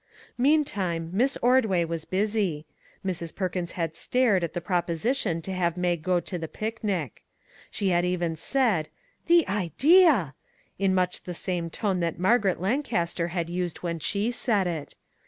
Meantime, Miss Ordway was busy. Mrs. Perkins had stared at the proposition to have Mag go to the picnic. She had even said " The idea !" in much the same tone that Margaret Lancaster had used when she said it.